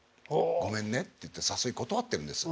ごめんねって言って誘い断ってるんです。